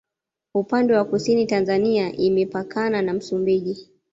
upande wa kusini tanzania imepakana na msumbiji